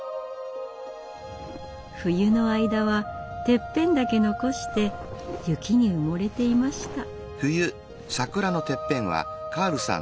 冬の間はてっぺんだけ残して雪に埋もれていました。